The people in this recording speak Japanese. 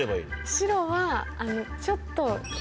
白はちょっと。